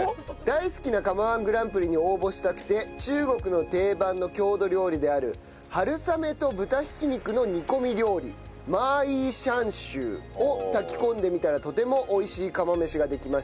大好きな釜−１グランプリに応募したくて中国の定番の郷土料理である春雨と豚ひき肉の煮込み料理マーイーシャンシューを炊き込んでみたらとても美味しい釜飯ができました。